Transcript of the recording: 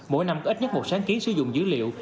mỗi năm ít nhất một sáng ký sử dụng dữ liệu